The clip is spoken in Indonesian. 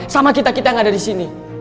sama kita kita yang ada disini